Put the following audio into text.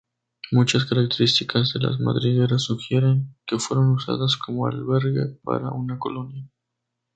Muchas características de las madrigueras sugieren que fueron usadas como albergue para una colonia.